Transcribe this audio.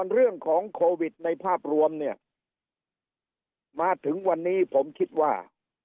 เรื่องของโควิดในภาพรวมเนี่ยมาถึงวันนี้ผมคิดว่า